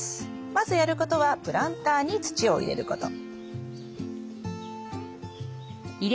まずやることはプランターに土を入れること。